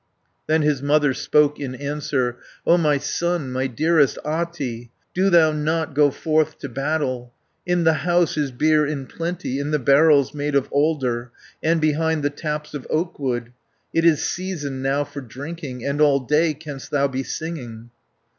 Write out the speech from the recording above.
Then his mother spoke in answer: "O my son, my dearest Ahti, Do thou not go forth to battle! In the house is beer in plenty, In the barrels made of alder. And behind the taps of oakwood. 70 It is seasoned now for drinking, And all day canst thou be singing."